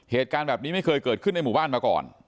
เหตุการณ์แบบนี้ไม่เคยเกิดขึ้นในหมู่บ้านมาก่อน